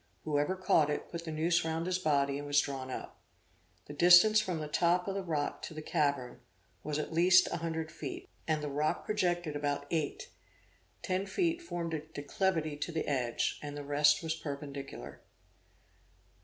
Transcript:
Whoever caught it, put the noose round his body, and was drawn up. The distance from the top of the rock to the cavern, was at least an hundred feet, and the rock projected about eight; ten feet formed a declivity to the edge, and the rest was perpendicular.